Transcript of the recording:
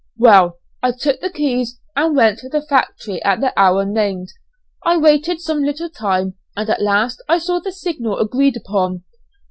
Well I took the keys, and went to the factory at the hour named, I waited some little time, and at last I saw the signal agreed upon.